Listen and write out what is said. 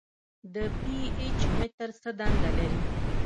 د پي ایچ متر څه دنده لري.